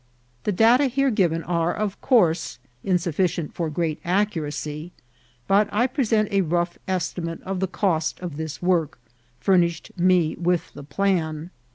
The data here given are, ot course, insufficient for great accuracy ; but I present a rough estimate of the cost of this work, furnished me with the plan.